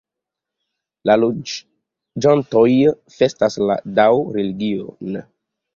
La loĝantoj festas la Dao-religion.